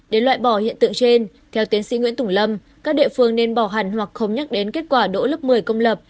để loại bỏ hiện tượng trên theo tiến sĩ nguyễn tùng lâm các địa phương nên bỏ hẳn hoặc không nhắc đến kết quả đỗ lớp một mươi công lập